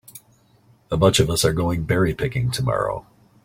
A bunch of us are going berry picking tomorrow.